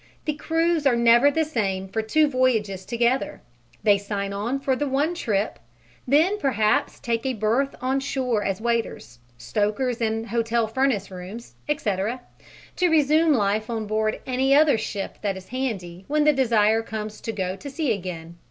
The crews are never the same for two voyages together: they sign on for the one trip, then perhaps take a berth on shore as waiters, stokers in hotel furnace rooms, etc., to resume life on board any other ship that is handy when the desire comes to go to sea again.